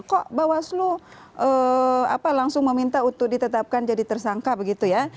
kok bawaslu langsung meminta untuk ditetapkan jadi tersangka begitu ya